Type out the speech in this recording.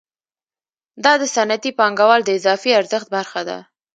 دا د صنعتي پانګوال د اضافي ارزښت برخه ده